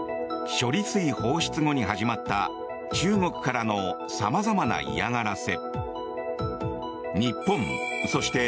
処理水放出後に始まった中国からの様々な嫌がらせ。